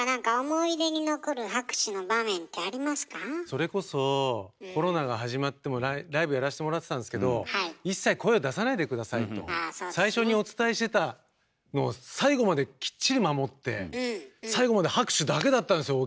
それこそコロナが始まってもライブやらせてもらってたんですけど一切声を出さないで下さいと最初にお伝えしてたのを最後まできっちり守って最後まで拍手だけだったんですよ